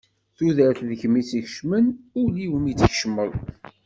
Tudert d kemm i tt-icebbḥen, ul-iw mi t-tkecmeḍ.